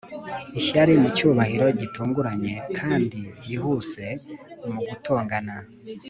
ishyari mucyubahiro, gitunguranye, kandi byihuse mu gutongana